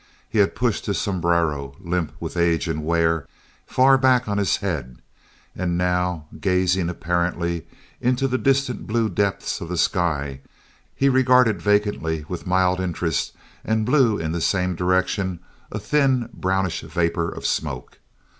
He had pushed his sombrero, limp with age and wear, far back on his head, and now, gazing, apparently, into the distant blue depths of the sky, he regarded vacantly with mild interest and blew in the same direction a thin brownish vapor of smoke.